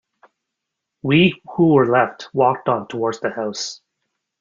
We who were left walked on towards the house.